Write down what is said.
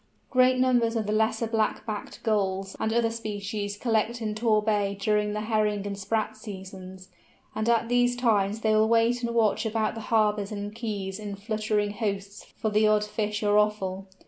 Great numbers of Lesser Black backed Gulls and other species collect in Tor Bay during the herring and sprat seasons, and at these times they will wait and watch about the harbours and quays in fluttering hosts for the odd fish and offal.